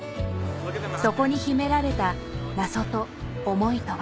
そこに秘められた謎と思いとは